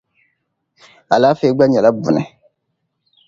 Alaafee gba nyɛla buni.